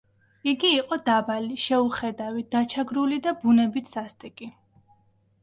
იგი იყო დაბალი, შეუხედავი, დაჩაგრული და ბუნებით სასტიკი.